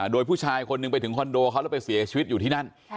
โดยผู้ชายคนหนึ่งไปถึงคอนโดเขาแล้วไปเสียชีวิตอยู่ที่นั่น